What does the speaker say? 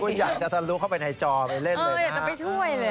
คุณอยากจะทะลุเข้าไปในจอไปเล่นเลยคุณอยากจะไปช่วยเลย